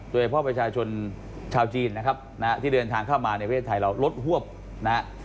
โดยเฉพาะประชาชนชาวจีนนะครับนะฮะที่เดินทางเข้ามาในประเทศไทยเราลดหวบนะฮะ